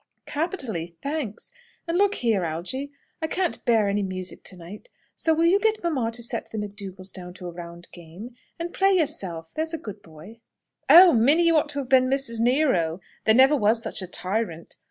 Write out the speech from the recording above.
"Capitally, thanks. And, look here, Algy; I can't bear any music to night, so will you get mamma to set the McDougalls down to a round game? And play yourself, there's a good boy!" "Oh, Minnie, you ought to have been Mrs. Nero. There never was such a tyrant.